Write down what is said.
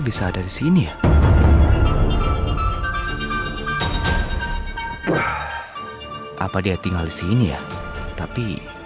mistress lagi organizasi tujuan ini sudah siapa